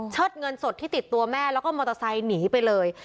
เงินสดที่ติดตัวแม่แล้วก็มอเตอร์ไซค์หนีไปเลย